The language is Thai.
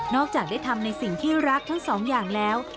จากได้ทำในสิ่งที่รักทั้งสองอย่างแล้ว